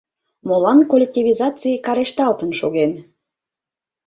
Молан коллективизаций карешталтын шоген?